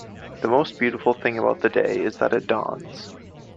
The most beautiful thing about the day is that it dawns.